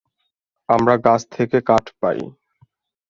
আমরা গাছ থেকে কাঠ পাই।